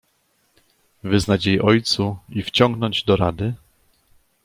"Wyznać jej ojcu i wciągnąć do rady?"